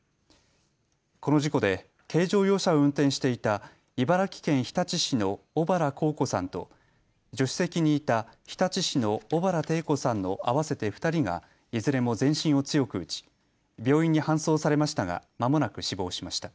この事故で軽乗用車を運転していた茨城県日立市の小原幸子さんと助手席にいた日立市の小原テイ子さんの合わせて２人がいずれも全身を強く打ち病院に搬送されましたがまもなく死亡しました。